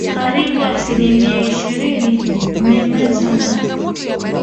karibu asilimia ishirini imemezwa na